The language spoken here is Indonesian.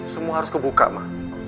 semua harus kebuka ma